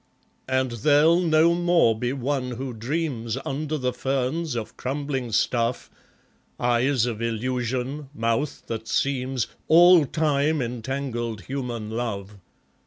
And there'll no more be one who dreams Under the ferns, of crumbling stuff, Eyes of illusion, mouth that seems, All time entangled human love.